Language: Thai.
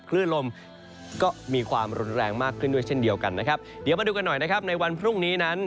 คลื่นลมก็มีความรุนแรงมากขึ้นด้วยเช่นเดียวกันนะครับเดี๋ยวมาดูกันหน่อยนะครับในวันพรุ่งนี้นั้น